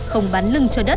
không bắn lưng cho đất